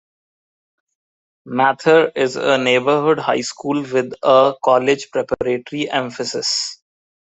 Mather is a neighborhood high school with a college preparatory emphasis.